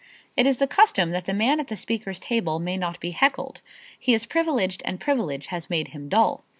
It is the custom that the man at the speakers' table may not be heckled. He is privileged and privilege has made him dull.